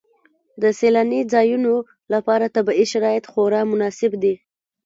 د سیلاني ځایونو لپاره طبیعي شرایط خورا مناسب دي.